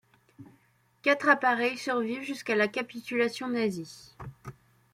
Quatre appareils survivent jusqu'à la capitulation nazie.